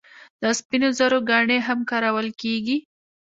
د سپینو زرو ګاڼې هم کارول کیږي.